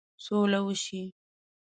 سوله وشي.